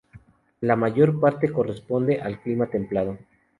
La mayor parte corresponde al clima templado.